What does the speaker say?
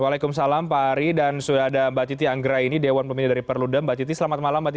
waalaikumsalam pak ari dan sudah ada mbak citi anggra ini dewan pemimpin dari perludan mbak citi selamat malam mbak citi